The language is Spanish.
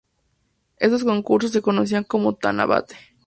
Estos concursos se conocían como "Tanabata-e".